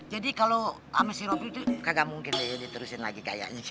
jadi kalau sama si robi tuh gak mungkin lagi diterusin lagi kayak gitu